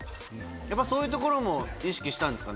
やっぱそういうところも意識したんですか？